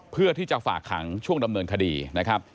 เพื่อที่จะฝากขังช่วงดำเนินคดีนะครับ